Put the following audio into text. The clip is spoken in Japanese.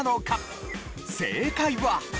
正解は。